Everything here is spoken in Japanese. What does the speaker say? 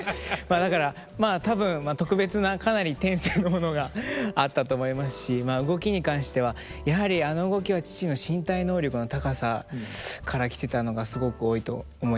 まあだからまあ多分特別なかなり天性のものがあったと思いますし動きに関してはやはりあの動きは父の身体能力の高さからきてたのがすごく多いと思います。